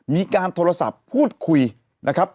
มีการโทรศัพท์พูดคุยนะครับ